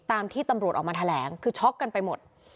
ตามที่ตำรวจออกมาแถลงคือช็อกกันไปหมด